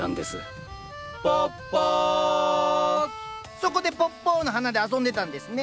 そこでぽっぽの花で遊んでたんですね。